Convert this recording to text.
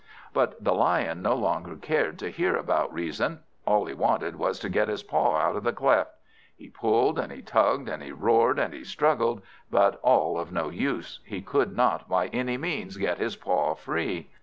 But the Lion no longer cared to hear about reason; all he wanted was to get his paw out of the cleft. He pulled and he tugged, he roared and he struggled; but all of no use; he could not by any means get his paw free.